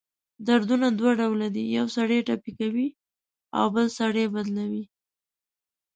دردونه دوه ډؤله دی: یؤ سړی ټپي کوي اؤ بل سړی بدلؤي.